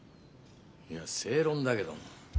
いや正論だけども。